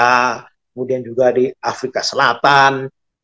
kemudian juga di afrika selatan